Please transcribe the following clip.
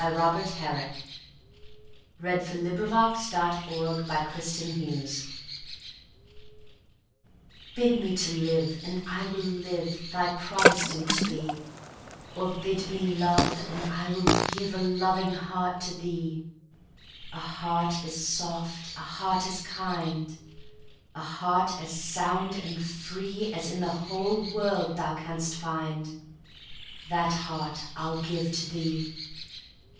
Robert Herrick XCVI. To Anthea Who May Command Him Any Thing BID me to live, and I will liveThy Protestant to be; Or bid me love, and I will giveA loving heart to thee.A heart as soft, a heart as kind,A heart as sound and freeAs in the whole world thou canst find, That heart I'll give to thee.